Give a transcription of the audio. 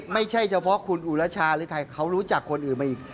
ไม่ใช่เฉพาะคุณอุรชาหรือใครเขารู้จักคนอื่นมาอีก